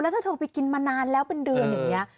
ถ้าเธอไปกินมานานแล้วเป็นเดือนอย่างนี้